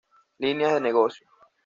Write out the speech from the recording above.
Líneas de negocio.